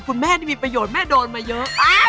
คุณแม่นี่มีประโยชน์แม่โดนมาเยอะ